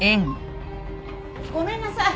ごめんなさい。